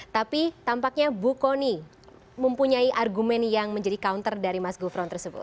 tapi tampaknya bu kony mempunyai argumen yang menjadi counter dari mas gufron tersebut